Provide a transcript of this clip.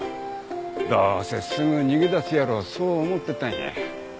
どうせすぐ逃げ出すやろそう思ってたんや。